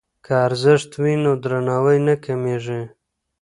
که ارزښت وي نو درناوی نه کمېږي.